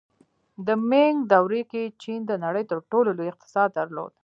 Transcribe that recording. د مینګ دورې کې چین د نړۍ تر ټولو لوی اقتصاد درلود.